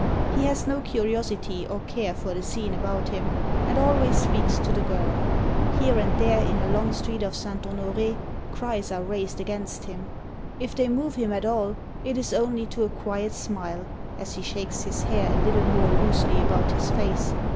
He has no curiosity or care for the scene about him, and always speaks to the girl. Here and there in a long street of Saint Honore, cries are raised against him. If they move him at all, it is only to a quiet smile, as he shakes his hair a little more loosely about his face.